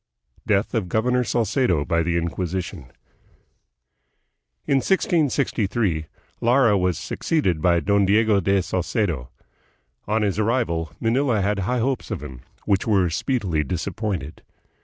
Death of Governor Salcedo by the Inquisition. In 1663, Lara was succeeded by Don Diego de Salcedo. On his arrival, Manila had high hopes of him, which were speedily disappointed.